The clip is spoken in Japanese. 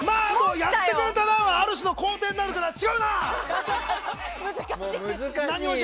やってくれたな！はある種の肯定になるから違うな！